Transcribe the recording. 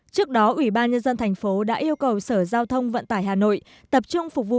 trước đó ủy ban nhân dân thành phố đã yêu cầu sở giao thông vận tải hà nội tập trung phục vụ